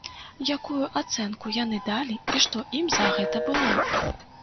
Якую ацэнку яны далі і што ім за гэта было?